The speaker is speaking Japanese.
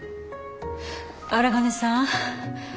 荒金さん。